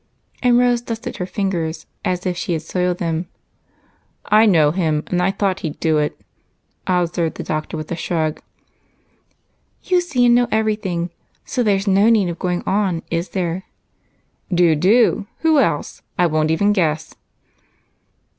And Rose dusted her fingers, as if she had soiled them. "I know him, and I thought he'd do it," observed the doctor with a shrug. "You see and know everything, so there's no need of going on, is there?" "Do, do! Who else? I won't even guess."